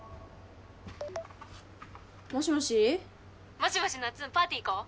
もしもしなっつんパーティー行こう。